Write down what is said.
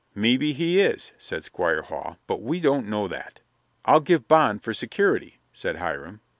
"Mebby he is," said Squire Hall, "but we don't know that." "I'll give bond for security," said Hiram.